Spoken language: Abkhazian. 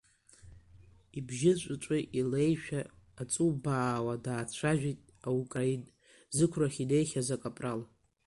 Ибжьы ҵәыҵәы илеишәа аҵубаауа даацәажәеит аукраин, зықәрахь инеихьаз акапрал.